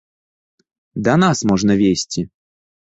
Да нас можна везці.